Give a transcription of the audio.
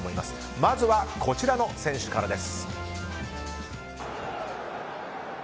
まずはこちらの選手からです。